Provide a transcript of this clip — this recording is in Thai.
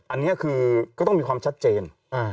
อันนี้คือก็ต้องมีความชัดเจน